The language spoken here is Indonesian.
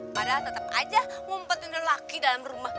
padahal tetap aja mumpatin lelaki dalam rumah